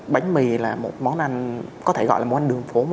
bánh mì là một món ăn có thể gọi là món đường phố